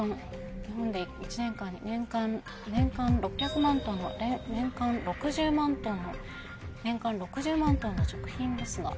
日本で１年間に年間「年間６００万ｔの年間６０万ｔの年間６０万ｔの食品ロスが」。